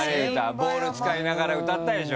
ボール使いながら歌ったでしょ。